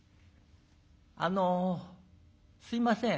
「あのすいません。